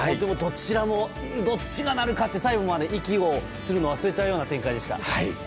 でも、どっちがなるかって最後まで息をするのを忘れちゃう展開でした。